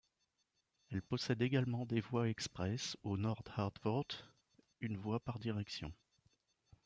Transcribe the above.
Elle possède également des voies express au nord d'Hartford, une voie par direction.